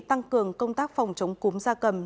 tăng cường công tác phòng chống cúm da cầm